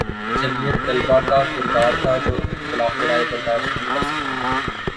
جمعیت طلبہ کا کردار تھا جو اختلاف رائے برداشت نہیں کر سکتی